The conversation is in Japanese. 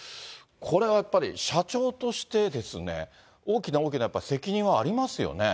これはやっぱり、社長としてですね、大きな大きな、やっぱり責任はありますよね。